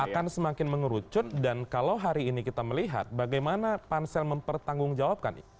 akan semakin mengerucut dan kalau hari ini kita melihat bagaimana pansel mempertanggungjawabkan